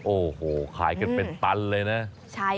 โอ้โหขายกันเป็นตันเลยนะ